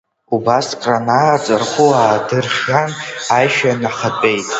Убас кранааҵ, рхәы аадырхиан, аишәа инахатәеит.